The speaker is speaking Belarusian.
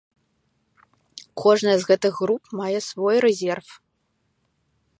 Кожная з гэтых груп мае свой рэзерв.